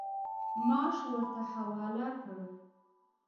معاش ورته حواله کړ.